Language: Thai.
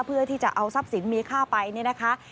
เพื่อที่จะเอาทรัพย์สินมีค่าไปเนี่ยนะคะ